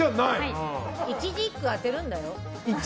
１字１句当てるんだよ。